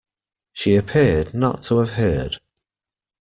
She appeared not to have heard.